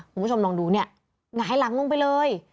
คุณผู้ชมลองดูเนี่ยหงายหลังลงไปเลย